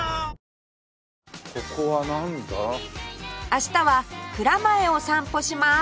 明日は蔵前を散歩します